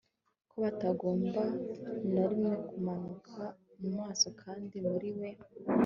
ko batagomba na rimwe kumanuka mu maso. kandi muri we